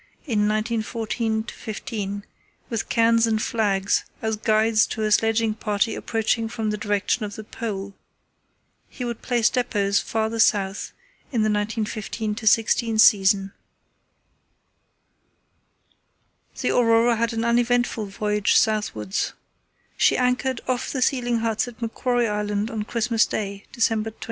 in 1914–15, with cairns and flags as guides to a sledging party approaching from the direction of the Pole. He would place depots farther south in the 1915–16 season. The Aurora had an uneventful voyage southwards. She anchored off the sealing huts at Macquarie Island on Christmas Day, December 25.